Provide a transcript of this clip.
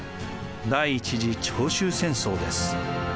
第１次長州戦争です。